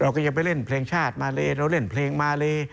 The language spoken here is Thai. ก็ยังไปเล่นเพลงชาติมาเลเราเล่นเพลงมาเล